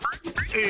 え？